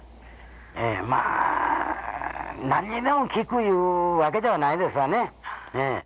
ええまあ何にでも効くいうわけではないですわね。